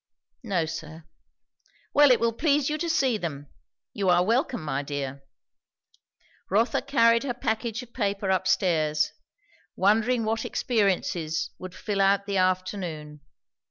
"No, sir." "Well, it will please you to see them. You are welcome, my dear." Rotha carried her package of paper up stairs, wondering what experiences would till out the afternoon.